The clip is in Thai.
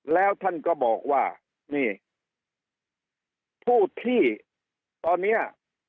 แล้วท่านก็บอกว่านี่ผู้ที่ตอนนี้